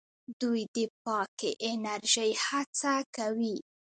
دوی د پاکې انرژۍ هڅه کوي.